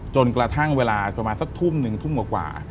จนกระทั่งเวลาประมาณสักทุมกว่า